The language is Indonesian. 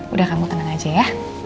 udah kamu tenang aja ya